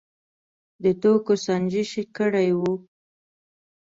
د توکو سنجش کړی و.